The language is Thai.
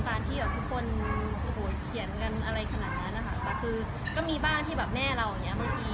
ที่แบบทุกคนโอ้โหเขียนกันอะไรขนาดนั้นนะคะแต่คือก็มีบ้านที่แบบแม่เราอย่างเงี้บางที